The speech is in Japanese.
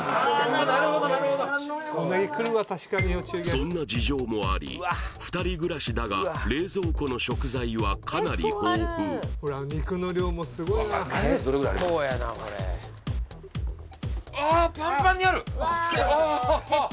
そんな事情もあり２人暮らしだが冷蔵庫の食材はかなり豊富あーっ